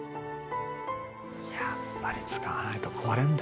「やっぱり使わないと壊れるんだよな